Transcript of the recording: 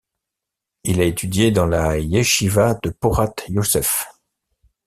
Il a étudié dans la Yeshiva de Porat Yoseph.